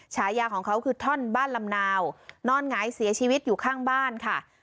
ฉายาของเขาคือท่อนบ้านลำนาวนอนหงายเสียชีวิตอยู่ข้างบ้านค่ะ